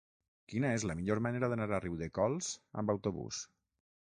Quina és la millor manera d'anar a Riudecols amb autobús?